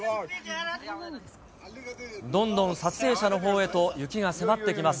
どんどん撮影者のほうへと雪が迫ってきます。